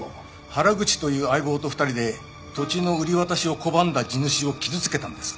原口という相棒と２人で土地の売り渡しを拒んだ地主を傷つけたんです。